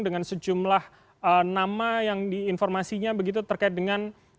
dengan sejumlah nama yang diinformasinya begitu terkait dengan